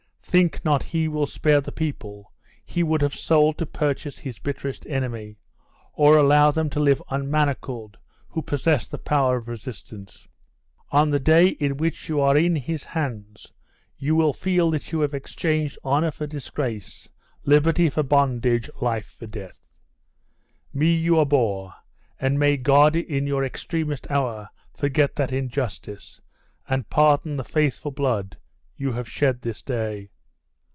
Think not he will spare the people he would have sold to purchase his bitterest enemy, or allow them to live unmanacled who possess the power of resistance. On the day in which you are in his hands you will feel that you have exchanged honor for disgrace, liberty for bondage, life for death! Me you abhor, and may God in your extremest hour forget that injustice, and pardon the faithful blood you have shed this day!